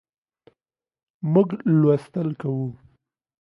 موږ لوستل کوو